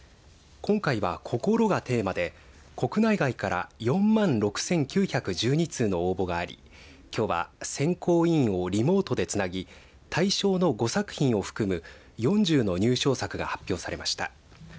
今回は、こころがテーマで国内外から４万６９１２通の応募がありきょうは選考委員をリモートでつなぎ大賞の５作品を含む４０の入賞作が発表されました。